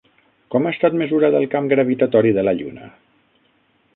Com ha estat mesurat el camp gravitatori de la Lluna?